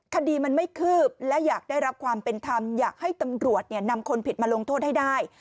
คดีมันไม่คืบและอยากได้รับความเป็นธรรมอยากให้ตำรวจนำคนผิดมาลงโทษให้ได้